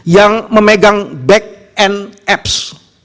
yang memegang backend apps